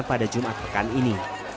pada jumat pekan ini